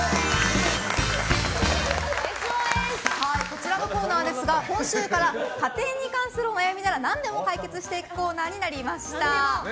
こちらのコーナーですが今週から家庭に関するお悩みなら何でも解決していくコーナーになりました。